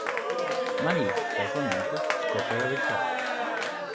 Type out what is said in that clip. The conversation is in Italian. Ma lì, casualmente, scopre la verità.